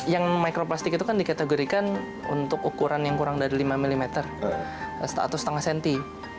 yang mikroplastik itu kan dikategorikan untuk ukuran yang kurang dari lima mm atau setengah cm